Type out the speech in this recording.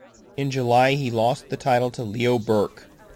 In July, he lost the title to Leo Burke.